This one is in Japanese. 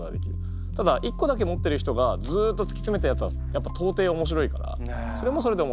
ただ一個だけ持ってる人がずっと突き詰めたやつはやっぱ到底面白いからそれもそれで面白い。